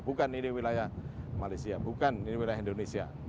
bukan ini wilayah malaysia bukan ini wilayah indonesia